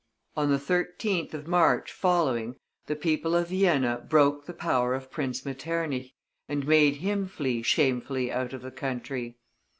On the 13th of March following, the people of Vienna broke the power of Prince Metternich, and made him flee shamefully out of the country.